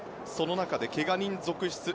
その中で、けが人続出。